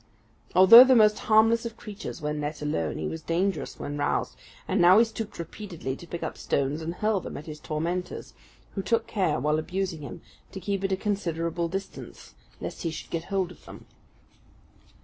Although the most harmless of creatures when left alone, he was dangerous when roused; and now he stooped repeatedly to pick up stones and hurl them at his tormentors, who took care, while abusing him, to keep at a considerable distance, lest he should get hold of them.